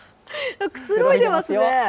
くつろいでますね。